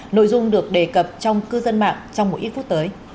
nội dung được đề cập trong cư dân mạng trong một ít phút tới